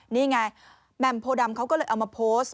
นี่ไงแหม่มโพดำเขาก็เลยเอามาโพสต์